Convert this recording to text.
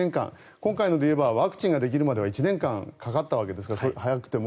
今回のでいえばワクチンができるまでは１年間かかったわけです早くても。